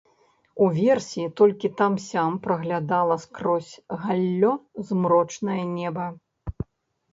Уверсе толькі там-сям праглядала скрозь галлё змрочнае неба.